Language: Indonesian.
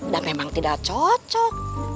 dan memang tidak cocok